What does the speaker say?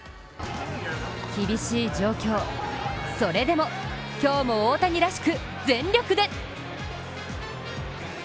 厳しい状況、それでも今日も大谷らしく、全力で。